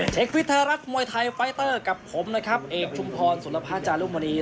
ฟิตไทยรัฐมวยไทยไฟเตอร์กับผมนะครับเอกชุมพรสุรภาจารุมณี